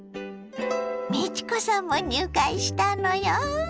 美智子さんも入会したのよ。